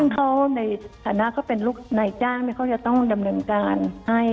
ซึ่งเขาในฐานะเขาเป็นลูกนายจ้างเขาจะต้องดำเนินการให้